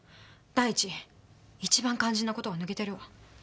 だいいち一番肝心なことが抜けてるわ。